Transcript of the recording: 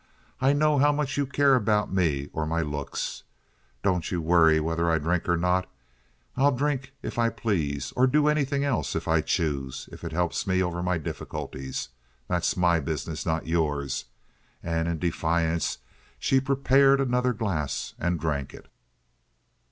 I know how much you care about me or my looks. Don't you worry whether I drink or not. I'll drink if I please, or do anything else if I choose. If it helps me over my difficulties, that's my business, not yours," and in defiance she prepared another glass and drank it.